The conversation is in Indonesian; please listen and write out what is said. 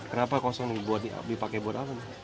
kenapa kosong dipakai buat apa